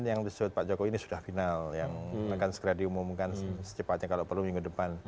yang disebut pak jokowi ini sudah final yang akan segera diumumkan secepatnya kalau perlu minggu depan